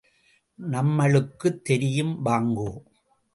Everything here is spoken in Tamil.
நம்மளுக்குத் தெரியும், வாங்கோ.